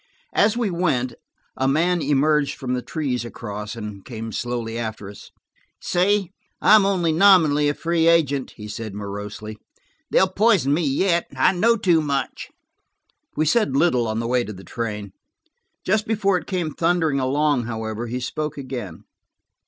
As we went, a man emerged from the trees across and came slowly after us. "You see, I am only nominally a free agent," he said morosely. "They'll poison me yet; I know too much." We said little on the way to the train. Just before it came thundering along, however, he spoke again.